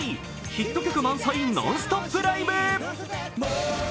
ヒット曲満載、ノンストップライブ